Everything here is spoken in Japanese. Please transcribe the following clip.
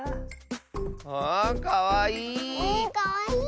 あかわいい！